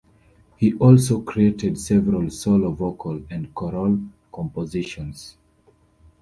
He also created several solo vocal and choral compositions.